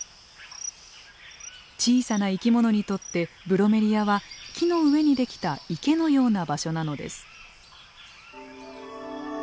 小さな生き物にとってブロメリアは木の上に出来た池のような場所なのです。